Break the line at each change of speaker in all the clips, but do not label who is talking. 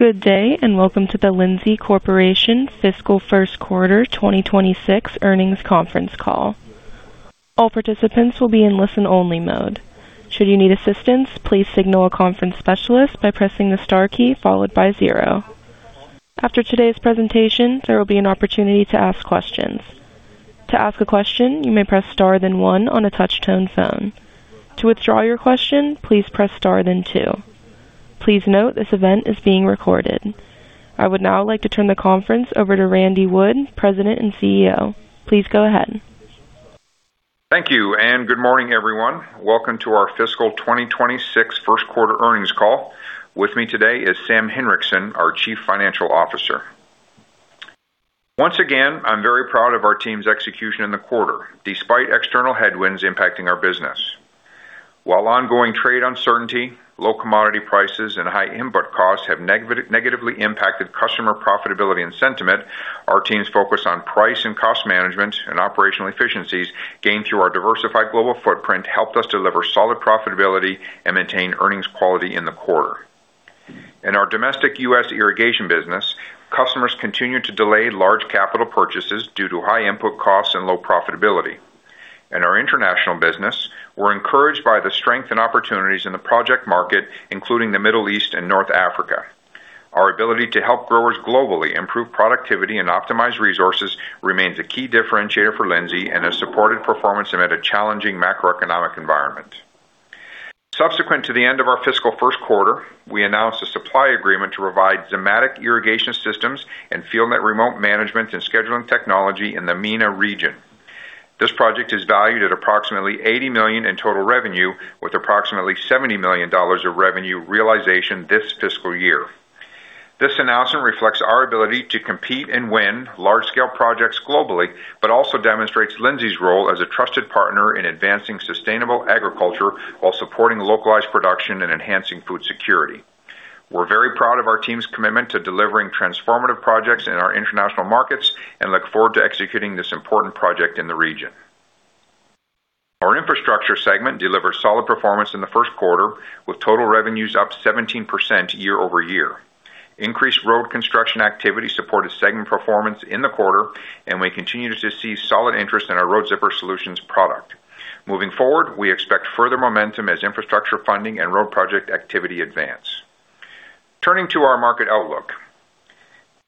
Good day, and welcome to the Lindsay Corporation Fiscal First Quarter 2026 Earnings Conference Call. All participants will be in listen-only mode. Should you need assistance, please signal a conference specialist by pressing the star key followed by zero. After today's presentation, there will be an opportunity to ask questions. To ask a question, you may press star then one on a touch-tone phone. To withdraw your question, please press star then two. Please note this event is being recorded. I would now like to turn the conference over to Randy Wood, President and CEO. Please go ahead.
Thank you, and good morning, everyone. Welcome to our Fiscal 2026 first quarter earnings call. With me today is Sam Henriksen, our Chief Financial Officer. Once again, I'm very proud of our team's execution in the quarter, despite external headwinds impacting our business. While ongoing trade uncertainty, low commodity prices, and high input costs have negatively impacted customer profitability and sentiment, our team's focus on price and cost management and operational efficiencies gained through our diversified global footprint helped us deliver solid profitability and maintain earnings quality in the quarter. In our domestic U.S. irrigation business, customers continue to delay large capital purchases due to high input costs and low profitability. In our international business, we're encouraged by the strength and opportunities in the project market, including the Middle East and North Africa. Our ability to help growers globally improve productivity and optimize resources remains a key differentiator for Lindsay and has supported performance amid a challenging macroeconomic environment. Subsequent to the end of our fiscal first quarter, we announced a supply agreement to provide Zimmatic irrigation systems and FieldNet remote management and scheduling technology in the MENA region. This project is valued at approximately $80 million in total revenue, with approximately $70 million of revenue realization this fiscal year. This announcement reflects our ability to compete and win large-scale projects globally, but also demonstrates Lindsay's role as a trusted partner in advancing sustainable agriculture while supporting localized production and enhancing food security. We're very proud of our team's commitment to delivering transformative projects in our international markets and look forward to executing this important project in the region. Our infrastructure segment delivered solid performance in the first quarter, with total revenues up 17% year-over-year. Increased road construction activity supported segment performance in the quarter, and we continue to see solid interest in our Road Zipper solutions product. Moving forward, we expect further momentum as infrastructure funding and road project activity advance. Turning to our market outlook,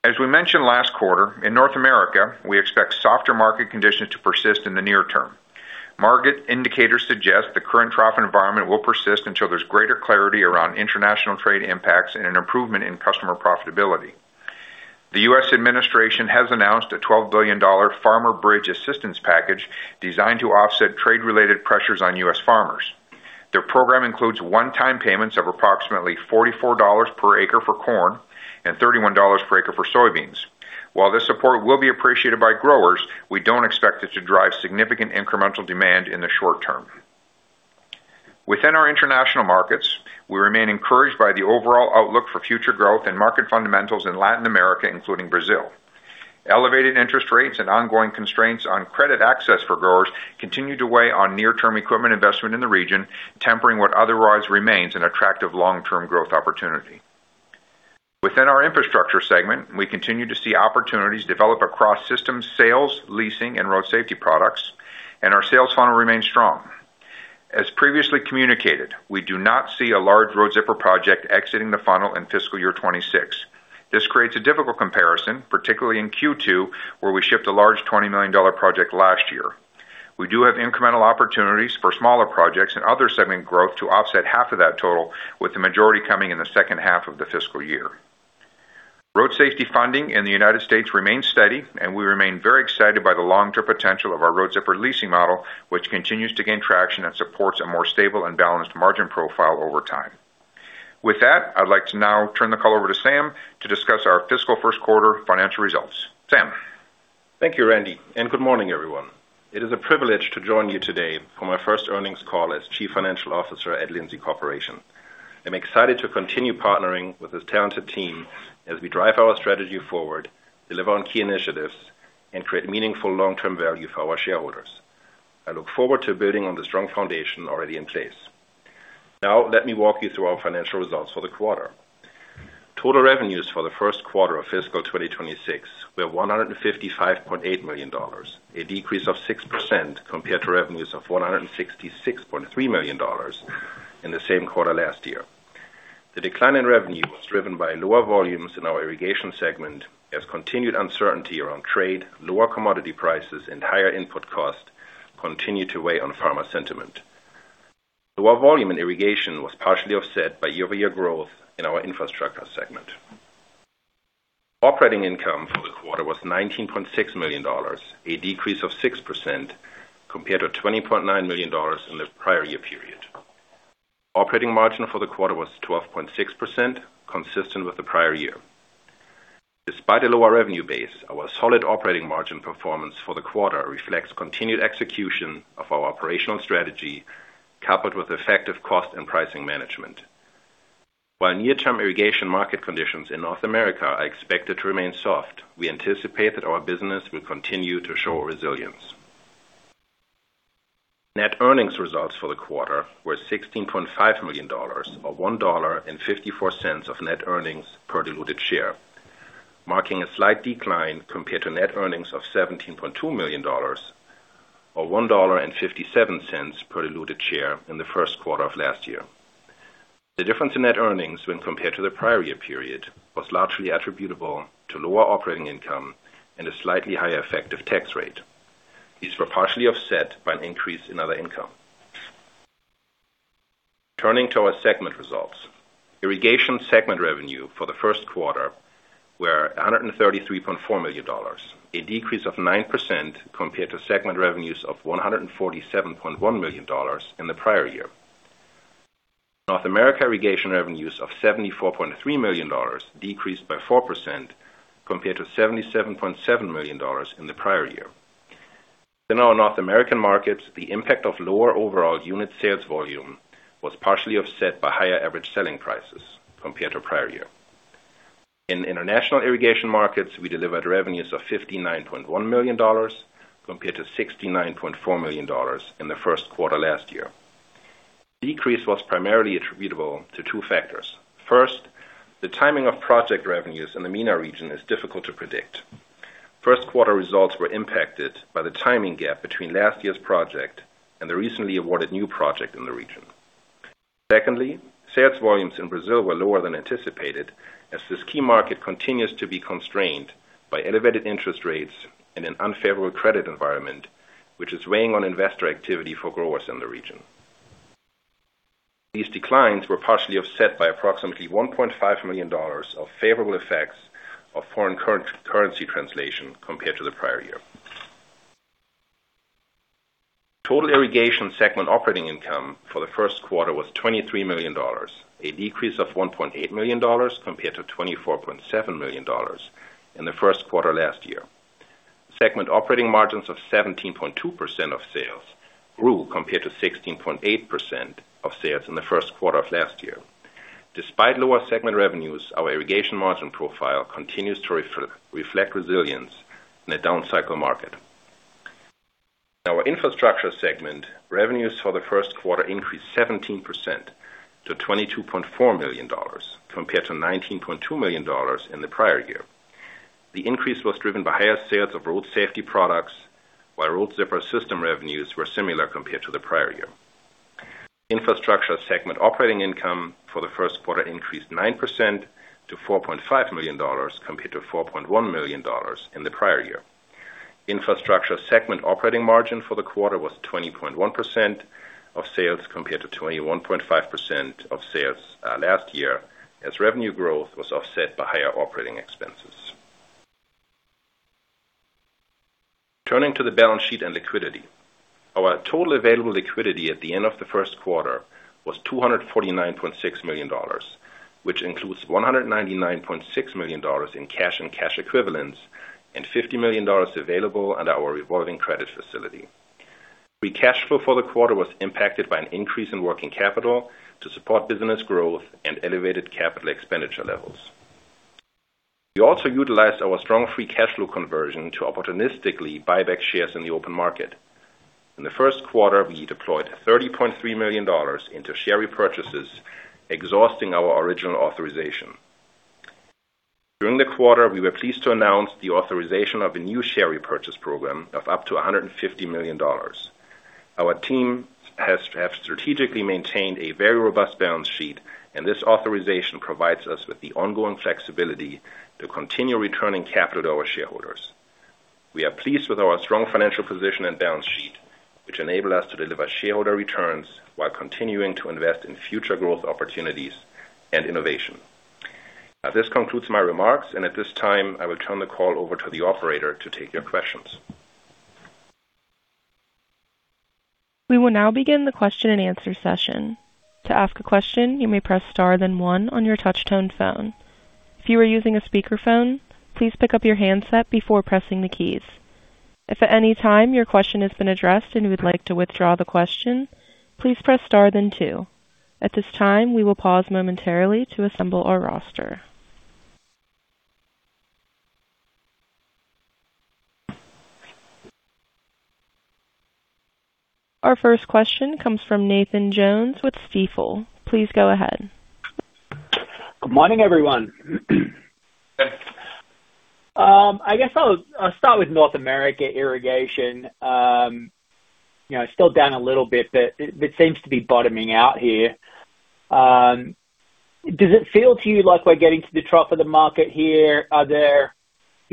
as we mentioned last quarter, in North America, we expect softer market conditions to persist in the near term. Market indicators suggest the current trough environment will persist until there's greater clarity around international trade impacts and an improvement in customer profitability. The U.S. administration has announced a $12 billion Farmer Bridge assistance package designed to offset trade-related pressures on U.S. farmers. The program includes one-time payments of approximately $44 per acre for corn and $31 per acre for soybeans. While this support will be appreciated by growers, we don't expect it to drive significant incremental demand in the short term. Within our international markets, we remain encouraged by the overall outlook for future growth and market fundamentals in Latin America, including Brazil. Elevated interest rates and ongoing constraints on credit access for growers continue to weigh on near-term equipment investment in the region, tempering what otherwise remains an attractive long-term growth opportunity. Within our infrastructure segment, we continue to see opportunities develop across systems, sales, leasing, and road safety products, and our sales funnel remains strong. As previously communicated, we do not see a large Road Zipper project exiting the funnel in fiscal year 2026. This creates a difficult comparison, particularly in Q2, where we shipped a large $20 million project last year. We do have incremental opportunities for smaller projects and other segment growth to offset half of that total, with the majority coming in the second half of the fiscal year. Road safety funding in the United States remains steady, and we remain very excited by the long-term potential of our Road Zipper leasing model, which continues to gain traction and supports a more stable and balanced margin profile over time. With that, I'd like to now turn the call over to Sam to discuss our fiscal first quarter financial results. Sam.
Thank you, Randy, and good morning, everyone. It is a privilege to join you today for my first earnings call as Chief Financial Officer at Lindsay Corporation. I'm excited to continue partnering with this talented team as we drive our strategy forward, deliver on key initiatives, and create meaningful long-term value for our shareholders. I look forward to building on the strong foundation already in place. Now, let me walk you through our financial results for the quarter. Total revenues for the first quarter of fiscal 2026 were $155.8 million, a decrease of 6% compared to revenues of $166.3 million in the same quarter last year. The decline in revenue was driven by lower volumes in our irrigation segment, as continued uncertainty around trade, lower commodity prices, and higher input costs continued to weigh on farmer sentiment. Lower volume in irrigation was partially offset by year-over-year growth in our infrastructure segment. Operating income for the quarter was $19.6 million, a decrease of 6% compared to $20.9 million in the prior year period. Operating margin for the quarter was 12.6%, consistent with the prior year. Despite a lower revenue base, our solid operating margin performance for the quarter reflects continued execution of our operational strategy, coupled with effective cost and pricing management. While near-term irrigation market conditions in North America are expected to remain soft, we anticipate that our business will continue to show resilience. Net earnings results for the quarter were $16.5 million, or $1.54 of net earnings per diluted share, marking a slight decline compared to net earnings of $17.2 million, or $1.57 per diluted share in the first quarter of last year. The difference in net earnings when compared to the prior year period was largely attributable to lower operating income and a slightly higher effective tax rate. These were partially offset by an increase in other income. Turning to our segment results, irrigation segment revenue for the first quarter were $133.4 million, a decrease of 9% compared to segment revenues of $147.1 million in the prior year. North America irrigation revenues of $74.3 million decreased by 4% compared to $77.7 million in the prior year. In our North American markets, the impact of lower overall unit sales volume was partially offset by higher average selling prices compared to prior year. In international irrigation markets, we delivered revenues of $59.1 million compared to $69.4 million in the first quarter last year. The decrease was primarily attributable to two factors. First, the timing of project revenues in the MENA region is difficult to predict. First quarter results were impacted by the timing gap between last year's project and the recently awarded new project in the region. Secondly, sales volumes in Brazil were lower than anticipated, as this key market continues to be constrained by elevated interest rates and an unfavorable credit environment, which is weighing on investor activity for growers in the region. These declines were partially offset by approximately $1.5 million of favorable effects of foreign currency translation compared to the prior year. Total irrigation segment operating income for the first quarter was $23 million, a decrease of $1.8 million compared to $24.7 million in the first quarter last year. Segment operating margins of 17.2% of sales grew compared to 16.8% of sales in the first quarter of last year. Despite lower segment revenues, our irrigation margin profile continues to reflect resilience in a down-cycle market. In our infrastructure segment, revenues for the first quarter increased 17% to $22.4 million compared to $19.2 million in the prior year. The increase was driven by higher sales of road safety products, while Road Zipper System revenues were similar compared to the prior year. Infrastructure segment operating income for the first quarter increased 9% to $4.5 million compared to $4.1 million in the prior year. Infrastructure segment operating margin for the quarter was 20.1% of sales compared to 21.5% of sales last year, as revenue growth was offset by higher operating expenses. Turning to the balance sheet and liquidity, our total available liquidity at the end of the first quarter was $249.6 million, which includes $199.6 million in cash and cash equivalents and $50 million available under our revolving credit facility. Free cash flow for the quarter was impacted by an increase in working capital to support business growth and elevated capital expenditure levels. We also utilized our strong free cash flow conversion to opportunistically buy back shares in the open market. In the first quarter, we deployed $30.3 million into share repurchases, exhausting our original authorization. During the quarter, we were pleased to announce the authorization of a new share repurchase program of up to $150 million. Our team has strategically maintained a very robust balance sheet, and this authorization provides us with the ongoing flexibility to continue returning capital to our shareholders. We are pleased with our strong financial position and balance sheet, which enable us to deliver shareholder returns while continuing to invest in future growth opportunities and innovation. This concludes my remarks, and at this time, I will turn the call over to the operator to take your questions.
We will now begin the question-and-answer session. To ask a question, you may press star then one on your touch-tone phone. If you are using a speakerphone, please pick up your handset before pressing the keys. If at any time your question has been addressed and you would like to withdraw the question, please press star then two. At this time, we will pause momentarily to assemble our roster. Our first question comes from Nathan Jones with Stifel. Please go ahead.
Good morning, everyone. I guess I'll start with North America irrigation. It's still down a little bit, but it seems to be bottoming out here. Does it feel to you like we're getting to the trough of the market here? Are there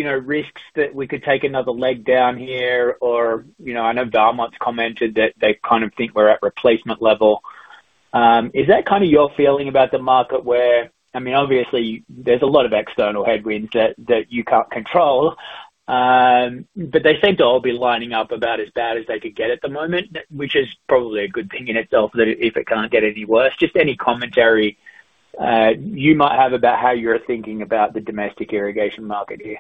risks that we could take another leg down here? Or I know Valmont's commented that they kind of think we're at replacement level. Is that kind of your feeling about the market where I mean, obviously, there's a lot of external headwinds that you can't control, but they seem to all be lining up about as bad as they could get at the moment, which is probably a good thing in itself if it can't get any worse. Just any commentary you might have about how you're thinking about the domestic irrigation market here.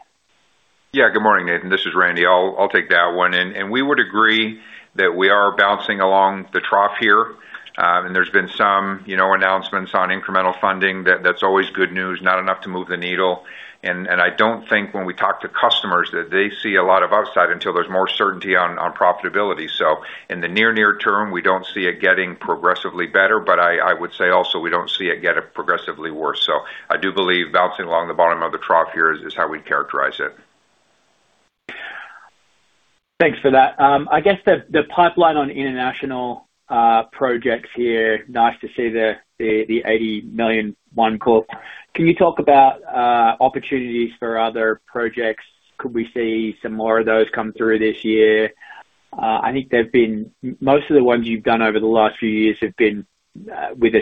Yeah. Good morning, Nathan. This is Randy. I'll take that one. And we would agree that we are bouncing along the trough here. And there's been some announcements on incremental funding that's always good news, not enough to move the needle. And I don't think when we talk to customers that they see a lot of upside until there's more certainty on profitability. So in the near-near term, we don't see it getting progressively better, but I would say also we don't see it get progressively worse. So I do believe bouncing along the bottom of the trough here is how we'd characterize it.
Thanks for that. I guess the pipeline on international projects here. Nice to see the $80 million order. Can you talk about opportunities for other projects? Could we see some more of those come through this year? I think most of the ones you've done over the last few years have been with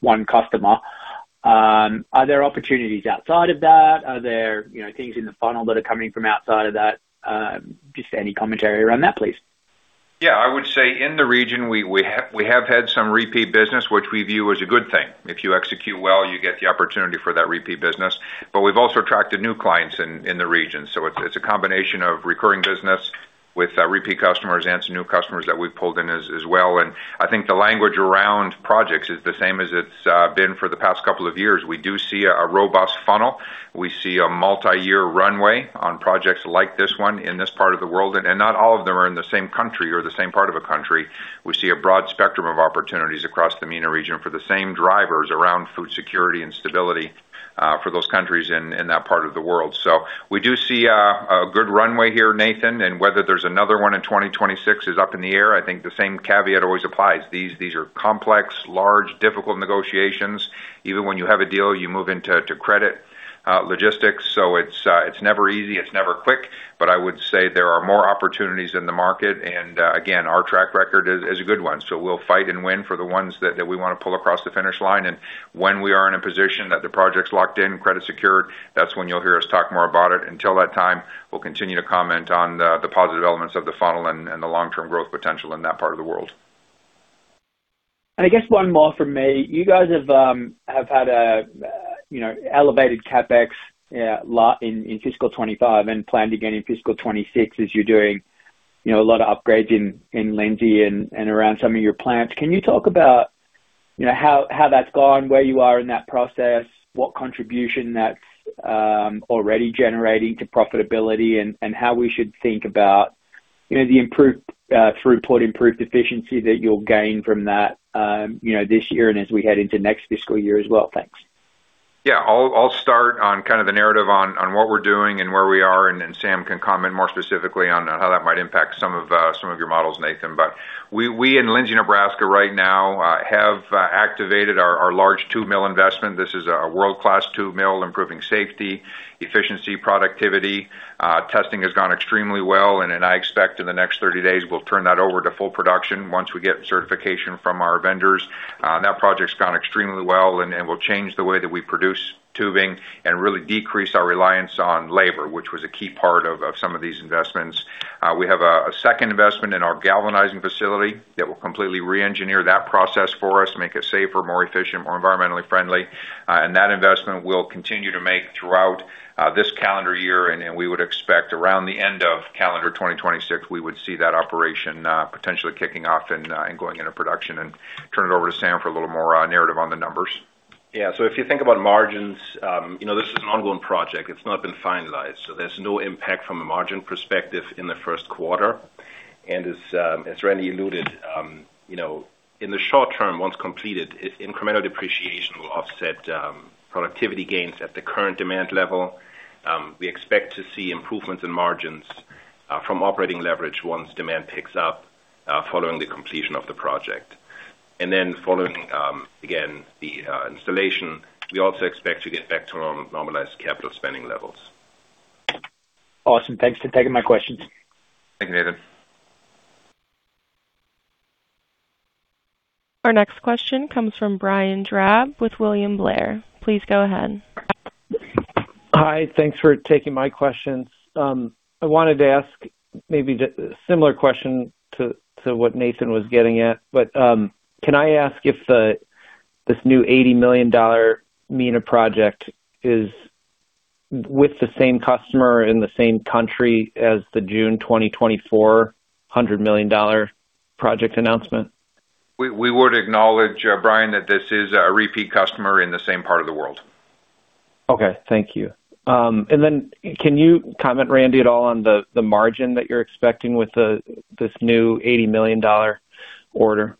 one customer. Are there opportunities outside of that? Are there things in the funnel that are coming from outside of that? Just any commentary around that, please.
Yeah. I would say in the region, we have had some repeat business, which we view as a good thing. If you execute well, you get the opportunity for that repeat business. But we've also attracted new clients in the region. So it's a combination of recurring business with repeat customers and some new customers that we've pulled in as well. And I think the language around projects is the same as it's been for the past couple of years. We do see a robust funnel. We see a multi-year runway on projects like this one in this part of the world. And not all of them are in the same country or the same part of a country. We see a broad spectrum of opportunities across the MENA region for the same drivers around food security and stability for those countries in that part of the world. So we do see a good runway here, Nathan. And whether there's another one in 2026 is up in the air. I think the same caveat always applies. These are complex, large, difficult negotiations. Even when you have a deal, you move into credit logistics. So it's never easy. It's never quick. But I would say there are more opportunities in the market. And again, our track record is a good one. So we'll fight and win for the ones that we want to pull across the finish line. And when we are in a position that the project's locked in, credit secured, that's when you'll hear us talk more about it. Until that time, we'll continue to comment on the positive elements of the funnel and the long-term growth potential in that part of the world.
I guess one more from me. You guys have had an elevated CapEx in fiscal 2025 and plan to get in fiscal 2026, as you're doing a lot of upgrades in Lindsay and around some of your plants. Can you talk about how that's gone, where you are in that process, what contribution that's already generating to profitability, and how we should think about the improved throughput, improved efficiency that you'll gain from that this year and as we head into next fiscal year as well? Thanks.
Yeah. I'll start on kind of the narrative on what we're doing and where we are. And then Sam can comment more specifically on how that might impact some of your models, Nathan. But we, in Lindsay, Nebraska, right now have activated our large tube mill investment. This is a world-class tube mill improving safety, efficiency, productivity. Testing has gone extremely well. And I expect in the next 30 days, we'll turn that over to full production once we get certification from our vendors. That project's gone extremely well and will change the way that we produce tubing and really decrease our reliance on labor, which was a key part of some of these investments. We have a second investment in our galvanizing facility that will completely re-engineer that process for us, make it safer, more efficient, more environmentally friendly. And that investment we'll continue to make throughout this calendar year. We would expect around the end of calendar 2026, we would see that operation potentially kicking off and going into production. Turn it over to Sam for a little more narrative on the numbers.
Yeah. So if you think about margins, this is an ongoing project. It's not been finalized. So there's no impact from a margin perspective in the first quarter. And as Randy alluded, in the short term, once completed, incremental depreciation will offset productivity gains at the current demand level. We expect to see improvements in margins from operating leverage once demand picks up following the completion of the project. And then following, again, the installation, we also expect to get back to normalized capital spending levels.
Awesome. Thanks for taking my questions.
Thank you, Nathan.
Our next question comes from Brian Drab with William Blair. Please go ahead.
Hi. Thanks for taking my questions. I wanted to ask maybe a similar question to what Nathan was getting at. But can I ask if this new $80 million MENA project is with the same customer in the same country as the June 2024 $100 million project announcement?
We would acknowledge, Brian, that this is a repeat customer in the same part of the world.
Okay. Thank you. And then can you comment, Randy, at all on the margin that you're expecting with this new $80 million order?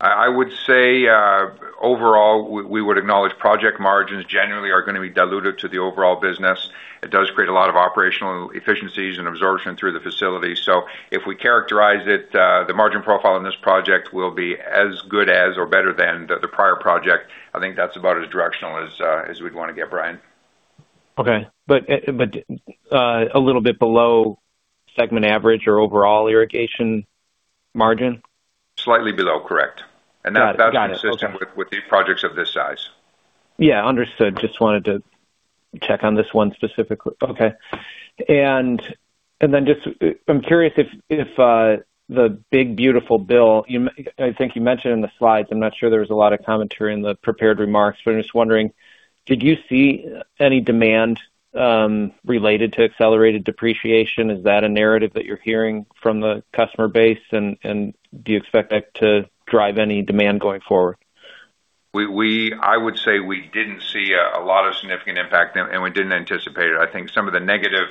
I would say overall, we would acknowledge project margins generally are going to be diluted to the overall business. It does create a lot of operational efficiencies and absorption through the facility. So if we characterize it, the margin profile in this project will be as good as or better than the prior project. I think that's about as directional as we'd want to get, Brian.
Okay. But a little bit below segment average or overall irrigation margin?
Slightly below, correct. And that's consistent with these projects of this size.
Yeah. Understood. Just wanted to check on this one specifically. Okay, and then just I'm curious if the Big Beautiful Bill, I think you mentioned in the slides. I'm not sure there was a lot of commentary in the prepared remarks, but I'm just wondering, did you see any demand related to accelerated depreciation? Is that a narrative that you're hearing from the customer base? And do you expect that to drive any demand going forward?
I would say we didn't see a lot of significant impact, and we didn't anticipate it. I think some of the negative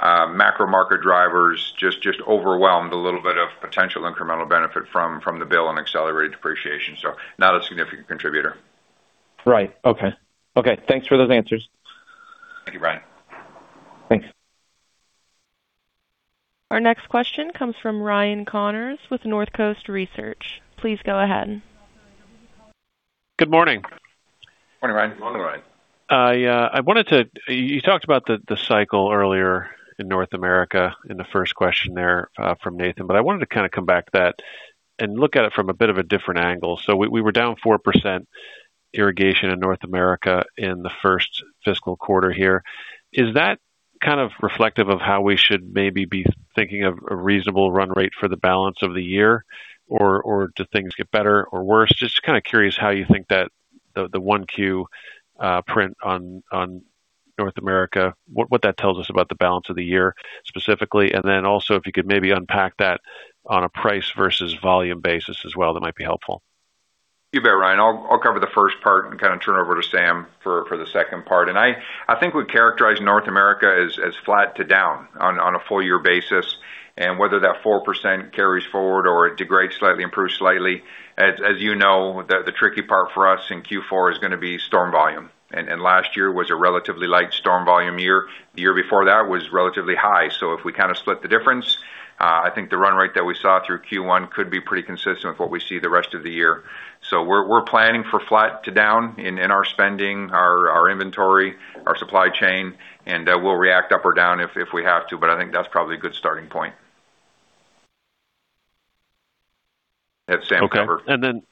macro market drivers just overwhelmed a little bit of potential incremental benefit from the bill and accelerated depreciation. So not a significant contributor.
Right. Okay. Okay. Thanks for those answers.
Thank you, Brian.
Thanks.
Our next question comes from Ryan Connors with North Coast Research. Please go ahead.
Good morning.
Morning, Ryan.
Morning, Ryan.
You talked about the cycle earlier in North America in the first question there from Nathan, but I wanted to kind of come back to that and look at it from a bit of a different angle. So we were down 4% irrigation in North America in the first fiscal quarter here. Is that kind of reflective of how we should maybe be thinking of a reasonable run rate for the balance of the year, or do things get better or worse? Just kind of curious how you think that the Q1 print on North America, what that tells us about the balance of the year specifically. And then also if you could maybe unpack that on a price versus volume basis as well, that might be helpful.
You bet, Ryan. I'll cover the first part and kind of turn over to Sam for the second part. And I think we'd characterize North America as flat to down on a full-year basis. And whether that 4% carries forward or it degrades slightly, improves slightly, as you know, the tricky part for us in Q4 is going to be storm volume. And last year was a relatively light storm volume year. The year before that was relatively high. So if we kind of split the difference, I think the run rate that we saw through Q1 could be pretty consistent with what we see the rest of the year. So we're planning for flat to down in our spending, our inventory, our supply chain, and we'll react up or down if we have to. But I think that's probably a good starting point. That's Sam's number.
Okay. And then,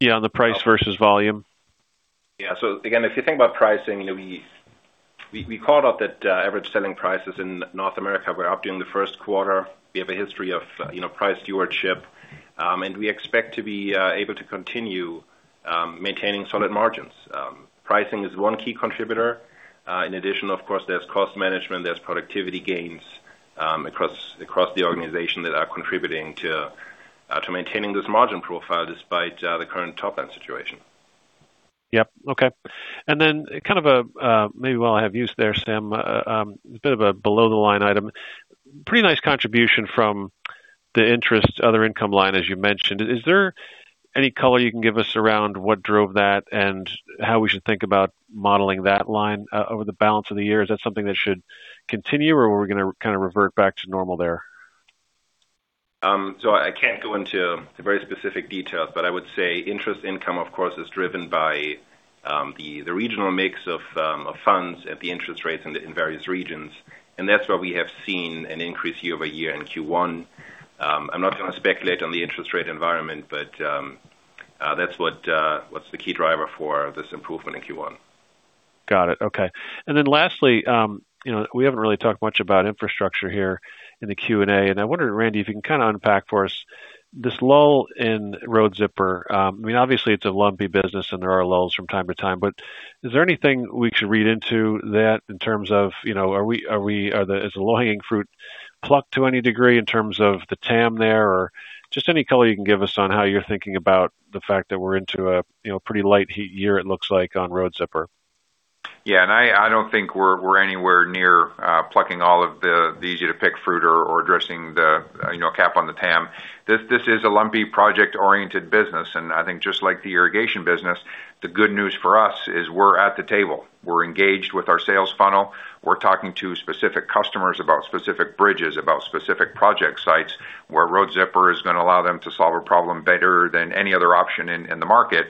yeah, on the price versus volume.
Yeah. So again, if you think about pricing, we called out that average selling prices in North America were up during the first quarter. We have a history of price stewardship, and we expect to be able to continue maintaining solid margins. Pricing is one key contributor. In addition, of course, there's cost management. There's productivity gains across the organization that are contributing to maintaining this margin profile despite the current top-line situation.
Yep. Okay. And then kind of a maybe while I have you there, Sam, it's a bit of a below-the-line item. Pretty nice contribution from the interest other income line, as you mentioned. Is there any color you can give us around what drove that and how we should think about modeling that line over the balance of the year? Is that something that should continue, or are we going to kind of revert back to normal there?
I can't go into very specific details, but I would say interest income, of course, is driven by the regional mix of funds at the interest rates in various regions. That's where we have seen an increase year-over-year in Q1. I'm not going to speculate on the interest rate environment, but that's what's the key driver for this improvement in Q1.
Got it. Okay. And then lastly, we haven't really talked much about infrastructure here in the Q&A. And I wonder, Randy, if you can kind of unpack for us this lull in Road Zipper. I mean, obviously, it's a lumpy business, and there are lulls from time to time. But is there anything we should read into that in terms of is the low-hanging fruit plucked to any degree in terms of the TAM there? Or just any color you can give us on how you're thinking about the fact that we're into a pretty light year it looks like on Road Zipper.
Yeah. And I don't think we're anywhere near plucking all of the easy-to-pick fruit or addressing the cap on the TAM. This is a lumpy project-oriented business. And I think just like the irrigation business, the good news for us is we're at the table. We're engaged with our sales funnel. We're talking to specific customers about specific bridges, about specific project sites where Road Zipper is going to allow them to solve a problem better than any other option in the market.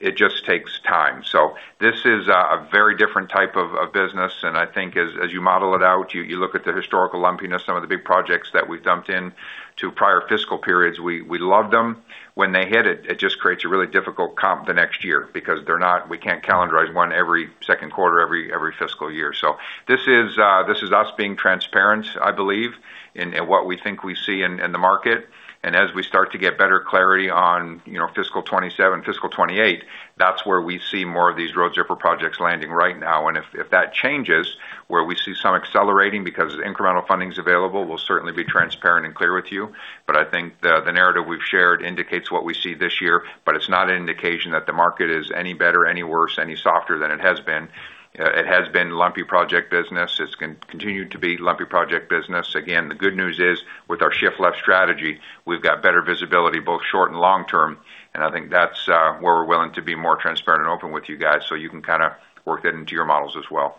It just takes time. So this is a very different type of business. And I think as you model it out, you look at the historical lumpiness, some of the big projects that we've dumped into prior fiscal periods. We love them. When they hit, it just creates a really difficult comp the next year because we can't calendarize one every second quarter, every fiscal year. So this is us being transparent, I believe, in what we think we see in the market. And as we start to get better clarity on fiscal 2027, fiscal 2028, that's where we see more of these Road Zipper projects landing right now. And if that changes, where we see some accelerating because incremental funding is available, we'll certainly be transparent and clear with you. But I think the narrative we've shared indicates what we see this year, but it's not an indication that the market is any better, any worse, any softer than it has been. It has been lumpy project business. It's continued to be lumpy project business. Again, the good news is with our Shift-left strategy, we've got better visibility both short and long term. And I think that's where we're willing to be more transparent and open with you guys so you can kind of work that into your models as well.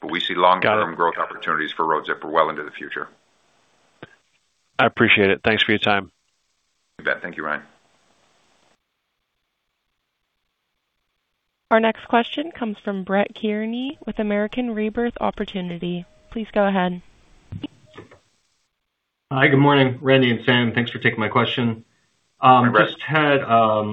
But we see long-term growth opportunities for Road Zipper well into the future.
I appreciate it. Thanks for your time.
You bet. Thank you, Ryan.
Our next question comes from Brett Kearney with American Rebirth Opportunity. Please go ahead.
Hi. Good morning, Randy and Sam. Thanks for taking my question. Just, I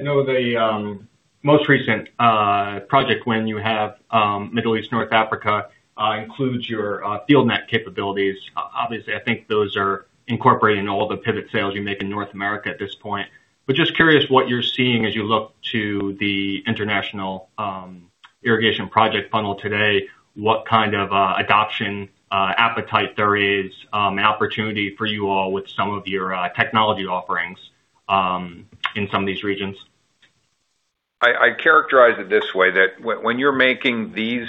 know the most recent project win you have in Middle East, North Africa includes your FieldNet capabilities. Obviously, I think those are incorporating all the pivot sales you make in North America at this point. But just curious what you're seeing as you look to the international irrigation project funnel today, what kind of adoption appetite there is, opportunity for you all with some of your technology offerings in some of these regions.
I characterize it this way that when you're making these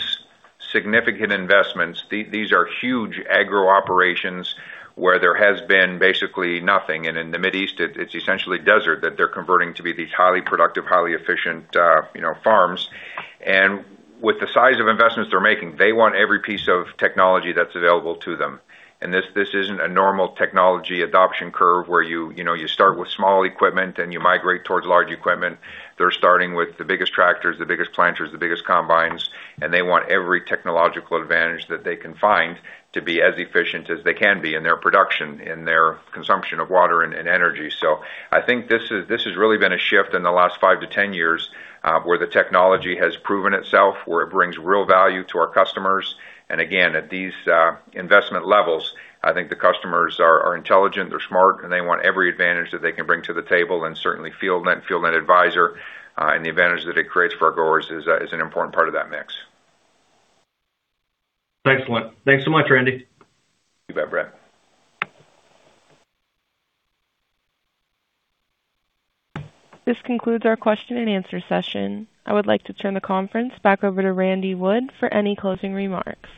significant investments, these are huge agro operations where there has been basically nothing, and in the Middle East, it's essentially desert that they're converting to be these highly productive, highly efficient farms, and with the size of investments they're making, they want every piece of technology that's available to them, and this isn't a normal technology adoption curve where you start with small equipment and you migrate towards large equipment. They're starting with the biggest tractors, the biggest planters, the biggest combines, and they want every technological advantage that they can find to be as efficient as they can be in their production, in their consumption of water and energy, so I think this has really been a shift in the last five to 10 years where the technology has proven itself, where it brings real value to our customers. And again, at these investment levels, I think the customers are intelligent, they're smart, and they want every advantage that they can bring to the table. And certainly, FieldNet and FieldNet Advisor and the advantage that it creates for our growers is an important part of that mix.
Excellent. Thanks so much, Randy.
You bet, Brett.
This concludes our question-and-answer session. I would like to turn the conference back over to Randy Wood for any closing remarks.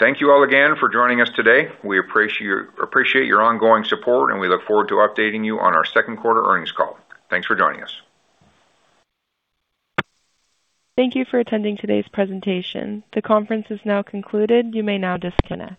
Thank you all again for joining us today. We appreciate your ongoing support, and we look forward to updating you on our second quarter earnings call. Thanks for joining us.
Thank you for attending today's presentation. The conference is now concluded. You may now disconnect.